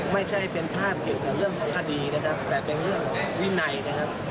ไม่ใช่เป็นภาพเกี่ยวกับเรื่องของคดีนะครับแต่เป็นเรื่องของวินัยนะครับ